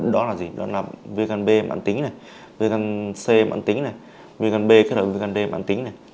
đó là gì đó là viên gan b mạng tính này viên gan c mạng tính này viên gan b kết hợp với viên gan d mạng tính này